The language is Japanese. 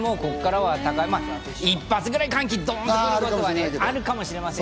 一発ぐらい寒気がドンと来ることはあるかもしれません。